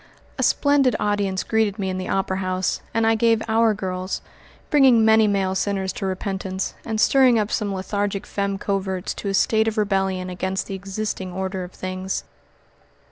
A splendid audience greeted me in the Opera House, and I gave "Our Girls," bringing many male sinners to repentance, and stirring up some lethargic femmes coverts to a state of rebellion against the existing order of things.